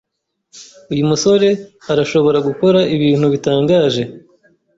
Uyu musore arashobora gukora ibintu bitangaje.